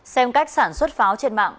xem cách sản xuất pháo trên mạng